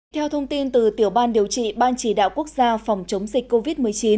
theo thông tin từ tiểu ban điều trị ban chỉ đạo quốc gia phòng chống dịch covid một mươi chín